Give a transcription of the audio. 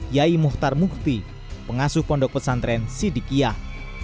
yai muhtar mukhti pengasuh pondok pesantren sidikiah